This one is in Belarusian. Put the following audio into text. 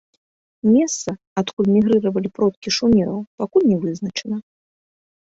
Месца, адкуль мігрыравалі продкі шумераў пакуль ня вызначана.